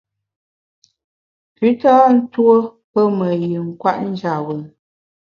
Pùn tâ ntuo pe me yin kwet njap bùn.